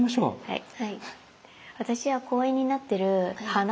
はい。